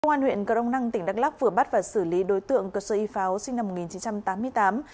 công an huyện cờ đông năng tỉnh đắk lắc vừa bắt và xử lý đối tượng cờ sơ y pháo sinh năm một nghìn chín trăm tám mươi tám